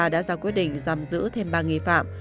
đã ra quyết định giam giữ thêm ba nghi phạm